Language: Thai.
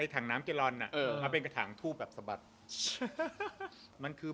ไอถังน้ำเกรรอลอ่ะเอาเป็นกระถางทูแบบสะบัดมันคือ